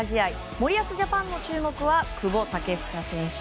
森保ジャパンの注目は久保建英選手。